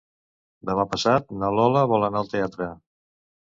Demà passat na Lola vol anar al teatre.